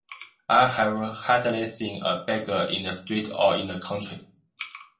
I have hardly seen a beggar in the streets or in the country.